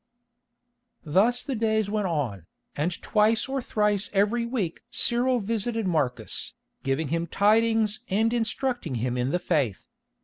Thus the days went on, and twice or thrice in every week Cyril visited Marcus, giving him tidings and instructing him in the Faith.